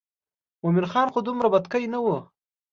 مومن خان خو دومره بتکۍ نه لري.